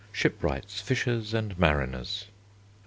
Shipwrights. Fishers and mariners.